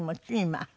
今。